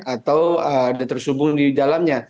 atau ada tersubung di dalamnya